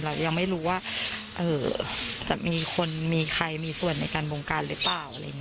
เรายังไม่รู้ว่าจะมีคนมีใครมีส่วนในการบองการหรือเปล่า